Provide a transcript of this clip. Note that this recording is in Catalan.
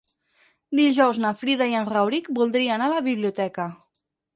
Dijous na Frida i en Rauric voldria anar a la biblioteca.